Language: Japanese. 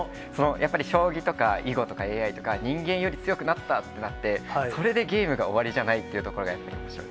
やっぱり将棋とか囲碁とか、ＡＩとか、人間より強くなったってなって、それでゲームが終わりじゃないというところがやっぱりおもしろい。